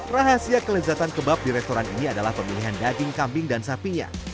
rahasia kelezatan kebab di restoran ini adalah pemilihan daging kambing dan sapinya